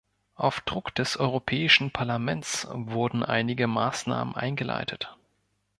Auf Druck des Europäischen Parlaments wurden einige Maßnahmen eingeleitet.